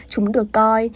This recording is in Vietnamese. chúng được coi